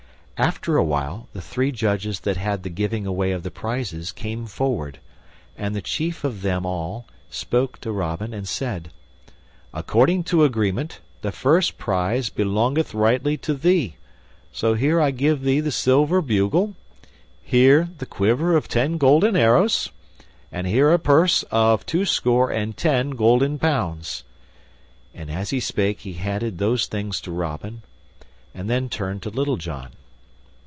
After a while the three judges that had the giving away of the prizes came forward, and the chief of them all spake to Robin and said, "According to agreement, the first prize belongeth rightly to thee; so here I give thee the silver bugle, here the quiver of ten golden arrows, and here a purse of twoscore and ten golden pounds." And as he spake he handed those things to Robin, and then turned to Little John.